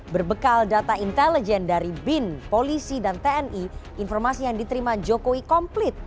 berbekal data intelijen dari bin polisi dan tni informasi yang diterima jokowi komplit